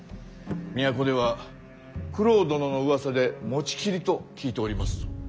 都では九郎殿のうわさで持ちきりと聞いておりますぞ。